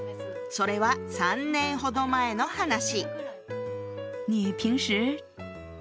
それは３年ほど前の話。